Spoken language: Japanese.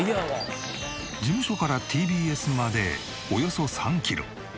事務所からＴＢＳまでおよそ３キロ。